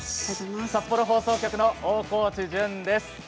札幌放送局の大河内惇です。